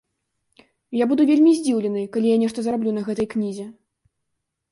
Я буду вельмі здзіўлены, калі я нешта зараблю на гэтай кнізе.